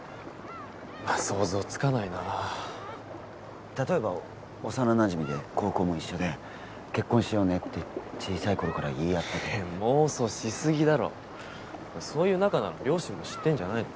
想像つかないな例えば幼なじみで高校も一緒で結婚しようねって小さい頃から言い合ってて妄想しすぎだろそういう仲なら両親も知ってんじゃないの？